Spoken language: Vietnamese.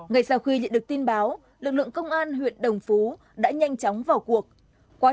ngay sau khi nhận được tin báo lực lượng công an huyện đồng phú đã nhanh chóng vào cuộc